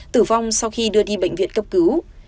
tử vong sau khi đưa đi bệnh viện cấp cứu